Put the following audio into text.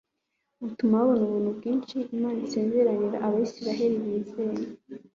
utuma babona ubuntu bwinshi imana isezeranira abayisaba bizeye